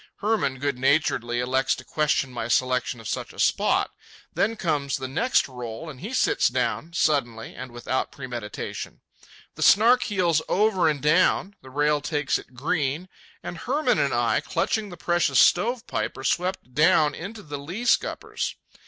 Hermann good naturedly elects to question my selection of such a spot. Then comes the next roll, and he sits down, suddenly, and without premeditation. The Snark heels over and down, the rail takes it green, and Hermann and I, clutching the precious stove pipe, are swept down into the lee scuppers.